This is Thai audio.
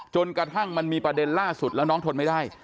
จนกระทั่งมันมีประเด็นล่าสุดแล้วน้องทนไม่ได้